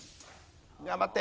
頑張って！